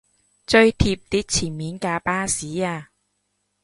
追貼啲前面架巴士吖